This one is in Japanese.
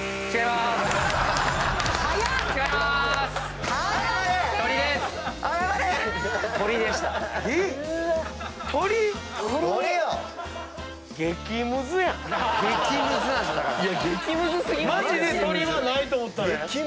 マジで鶏はないと思ったで。